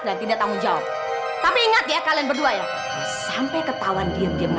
dan tidak tanggung jawab tapi ingat ya kalian berdua ya sampai ketahuan dia sama dengan kamu ya